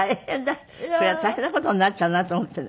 これは大変な事になっちゃうなと思ってね。